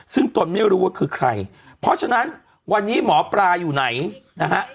ซึ่งตนไม่รู้ว่าคือใครเพราะฉะนั้นวันนี้หมอปลาอยู่ไหนนะฮะ